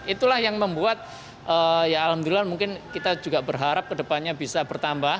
itulah yang membuat ya alhamdulillah mungkin kita juga berharap kedepannya bisa bertambah